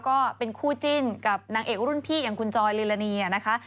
ก็เป็นคู่จิ้นกับนางเอกรุ่นพี่อย่างคุณจอยลิลานีนะคะ